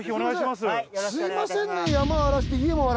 すいませんね。